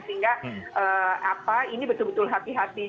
sehingga ini betul betul hati hati